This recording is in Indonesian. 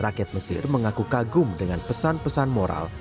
rakyat mesir mengaku kagum dengan pesan pesan moral